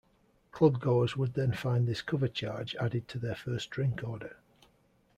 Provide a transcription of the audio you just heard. Clubgoers would then find this cover charge added to their first drink order.